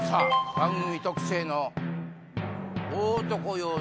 番組特製の大男用の。